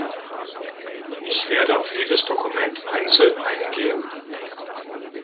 Ich werde auf jedes Dokument einzeln eingehen.